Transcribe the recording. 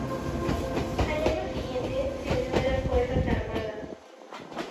Al año siguiente, se unió a las fuerzas armadas.